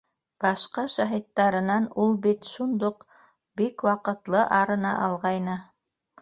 Башҡа шаһиттарынан ул бит шундуҡ, бик ваҡытлы арына алғайны...